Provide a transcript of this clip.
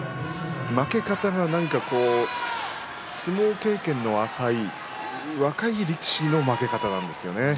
負け方が、相撲経験が浅い若い力士の負け方なんですよね。